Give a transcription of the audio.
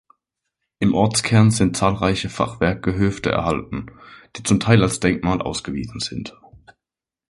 Im Ortskern sind zahlreiche Fachwerk-Gehöfte erhalten, die zum Teil als Denkmal ausgewiesen sind.